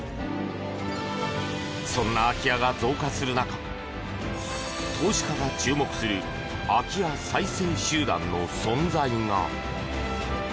そんな空き家が増加する中投資家が注目する空き家再生集団の存在が！